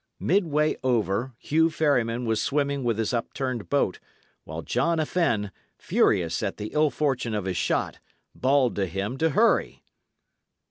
Midway over, Hugh Ferryman was swimming with his upturned boat, while John a Fenne, furious at the ill fortune of his shot, bawled to him to hurry.